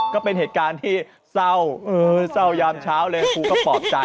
ก็เป็นเหตุการณ์ที่เศร้าเศร้ายามเช้าเลยครูก็ปลอบใจ